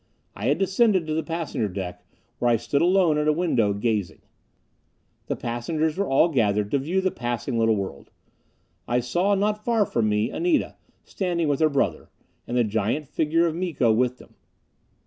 I had descended to the passenger deck, where I stood alone at a window, gazing. The passengers were all gathered to view the passing little world. I saw, not far from me, Anita, standing with her brother; and the giant figure of Miko with them.